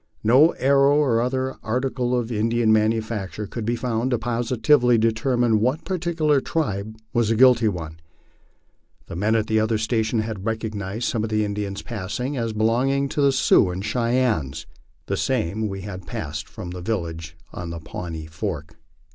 No arrow, or other article of Indian manufacuture, could be found to positively determine what particular tribe was the guilty one. The men at other stations had recognized some of the Indians passing as belonging to the Sioux and Cheyennes, the same we had passed from the village on Pawnee Fork.